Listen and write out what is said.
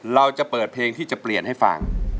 เราจะเปิดเพลงที่จะเปลี่ยนให้ฟัง